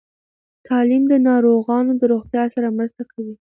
تعلیم د ناروغانو د روغتیا سره مرسته کوي.